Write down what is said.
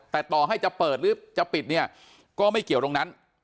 แต่ต่อให้จะเปิดหรือจะปิดเนี่ยก็ไม่เกี่ยวตรงนั้น